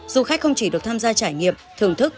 du khách không chỉ được tham gia trải nghiệm thưởng thức